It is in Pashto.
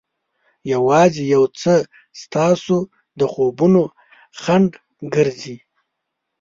یوازې یو څه ستاسو د خوبونو خنډ ګرځي.